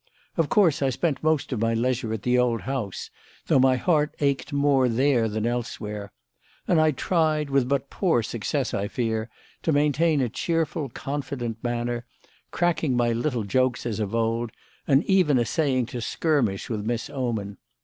Of course, I spent most of my leisure at the old house, though my heart ached more there than elsewhere; and I tried, with but poor success, I fear, to maintain a cheerful, confident manner, cracking my little jokes as of old, and even essaying to skirmish with Miss Oman.